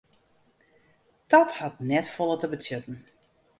Dat hat net folle te betsjutten.